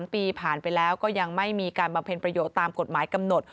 ๓ปีผ่านไปแล้วก็ยังไม่มีการบำเพ็ญประโยชน์ตามกฎหมายกำหนด